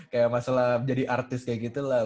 kayak masalah jadi artis kayak gitu lah